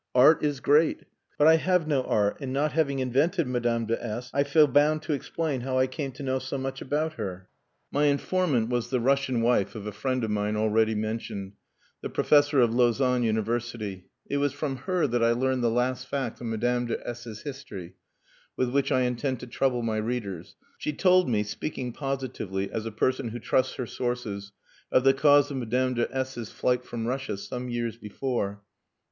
Art is great! But I have no art, and not having invented Madame de S , I feel bound to explain how I came to know so much about her. My informant was the Russian wife of a friend of mine already mentioned, the professor of Lausanne University. It was from her that I learned the last fact of Madame de S 's history, with which I intend to trouble my readers. She told me, speaking positively, as a person who trusts her sources, of the cause of Madame de S 's flight from Russia, some years before.